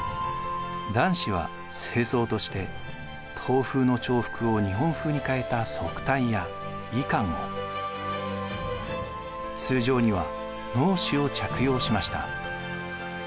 男子は正装として唐風の朝服を日本風に変えた束帯や衣冠を通常には直衣を着用しました。